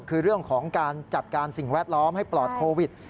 คือเรื่องของการจัดการสิ่งแวดล้อมให้ปลอดโควิด